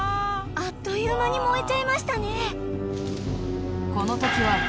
あっという間に燃えちゃいましたね。